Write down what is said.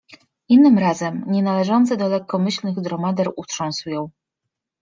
Innym razem, nie należący do lekkomyślnych dromader utrząsł ją.